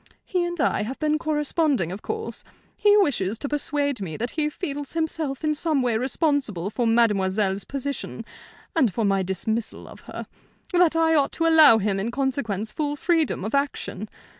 He and I have been corresponding, of course. He wishes to persuade me that he feels himself in some way responsible for mademoiselle's position, and for my dismissal of her; that I ought to allow him in consequence full freedom of action.